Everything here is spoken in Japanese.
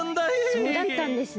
そうだったんですね。